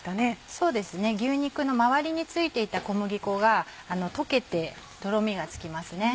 そうですね牛肉の周りについていた小麦粉が溶けてとろみがつきますね。